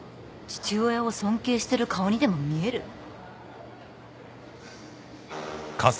父親を尊敬してる顔にでも見える？